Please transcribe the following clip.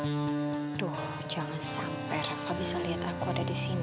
aduh jangan sampai reva bisa liat aku ada disini